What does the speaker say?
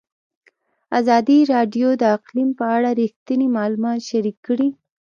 ازادي راډیو د اقلیم په اړه رښتیني معلومات شریک کړي.